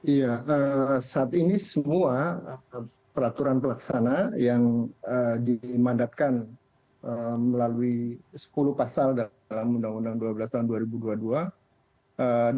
iya saat ini semua peraturan pelaksana yang dimandatkan melalui sepuluh pasal dalam undang undang dua belas tahun dua ribu dua puluh dua